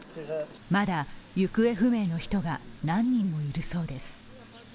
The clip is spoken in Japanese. まだ、行方不明の人が何人もいるそうです。